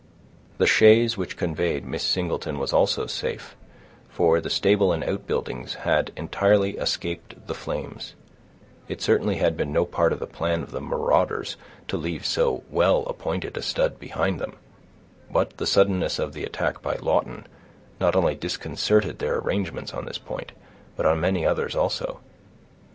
The chaise which conveyed Miss Singleton was also safe, for the stable and outbuildings had entirely escaped the flames; it certainly had been no part of the plan of the marauders to leave so well appointed a stud behind them, but the suddenness of the attack by Lawton, not only disconcerted their arrangements on this point, but on many others also.